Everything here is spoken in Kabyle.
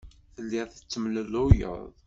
Telliḍ tettemlelluyeḍ.